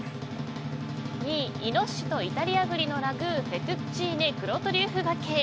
２位、イノシシとイタリア栗のラグーフェトゥッチーネ黒トリュフがけ。